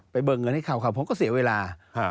ไปเบิกเงินให้เขาครับผมก็เสียเวลาฮะ